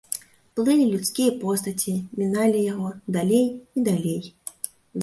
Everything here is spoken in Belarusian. Плылі людскія постаці, міналі яго, далей і далей.